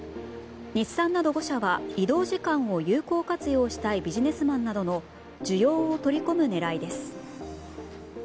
日産など５社は移動時間を有効活用したいビジネスマンなどの需要を取り込む狙いです。